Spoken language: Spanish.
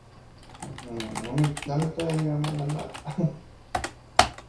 Se trata de una sátira más bien irregular.